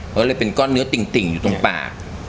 ก็เลยเป็นก้อนเนื้อติ่งอยู่ตรงปาก